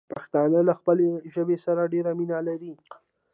پښتانه له خپلې ژبې سره ډېره مينه لري.